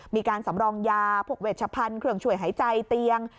มีการสำรองยาพวกเวชพันธุ์เครื่องช่วยหายใจเตียง